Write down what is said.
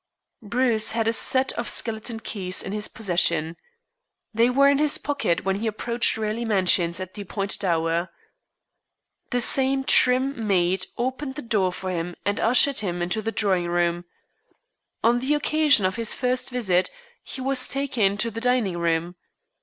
Bruce had a set of skeleton keys in his possession. They were in his pocket when he approached Raleigh Mansions at the appointed hour. The same trim maid opened the door for him and ushered him into the drawing room. On the occasion of his first visit he was taken to the dining room.